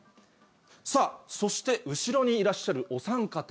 さぁそして後ろにいらっしゃるお三方。